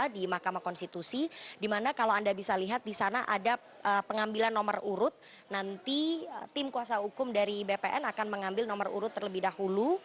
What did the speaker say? di mahkamah konstitusi dimana kalau anda bisa lihat di sana ada pengambilan nomor urut nanti tim kuasa hukum dari bpn akan mengambil nomor urut terlebih dahulu